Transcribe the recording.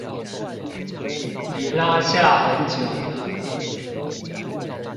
已拉下很久了